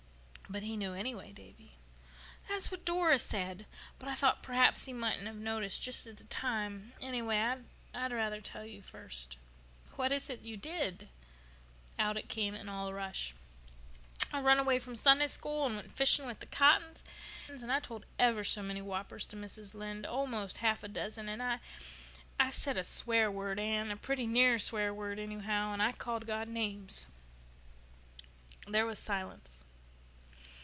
"But He knew anyway, Davy." "That's what Dora said. But I thought p'raps He mightn't have noticed just at the time. Anyway, I'd rather tell you first." "What is it you did?" Out it all came in a rush. "I run away from Sunday School—and went fishing with the Cottons—and I told ever so many whoppers to Mrs. Lynde—oh! 'most half a dozen—and—and—I—I said a swear word, Anne—a pretty near swear word, anyhow—and I called God names." There was silence.